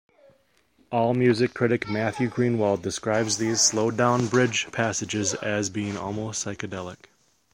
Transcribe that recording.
Allmusic critic Matthew Greenwald describes these slowed down bridge passages as being almost psychedelic.